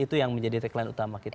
itu yang menjadi tagline utama kita